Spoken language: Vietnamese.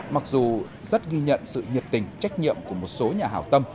mặc dù rất ghi nhận sự nhiệt tình trách nhiệm của một số nhà hào tâm